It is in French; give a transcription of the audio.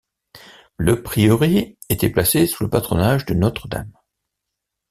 Le prieuré était placé sous le patronage de Notre-Dame.